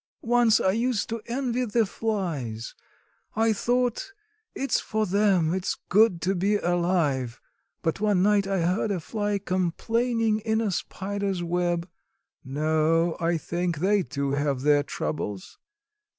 Once I used to envy the flies; I thought it's for them it's good to be alive but one night I heard a fly complaining in a spider's web no, I think, they too have their troubles.